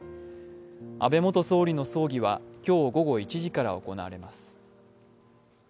安倍元総理の葬儀は今日午後１時から行われます。